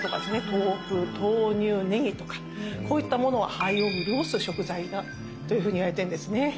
豆腐豆乳ねぎとかこういったものは肺をうるおす食材だというふうにいわれてるんですね。